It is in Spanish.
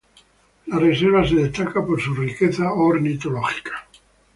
La reserva se destaca por su riqueza ornitológica.